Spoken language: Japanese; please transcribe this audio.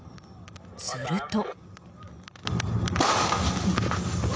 すると。